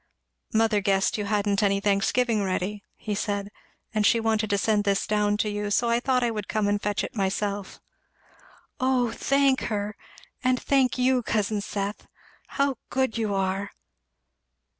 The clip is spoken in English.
"Mother guessed you hadn't any Thanksgiving ready," he said, "and she wanted to send this down to you; so I thought I would come and fetch it myself." "O thank her! and thank you, cousin Seth; how good you are?"